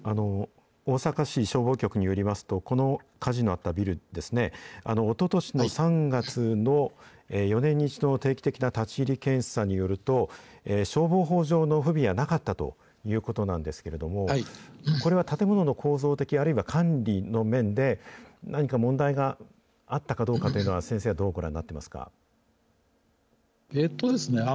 大阪市消防局によりますと、この火事のあったビルですね、おととしの３月の４年に１度の定期的な立ち入り検査によると、消防法上の不備はなかったということなんですけれども、これは建物の構造的、あるいは管理の面で、何か問題があったかどうかというのは、先生はどうご覧になっていますか。